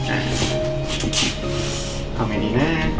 เอาแบบนี้นะเอาแบบนี้ละกัน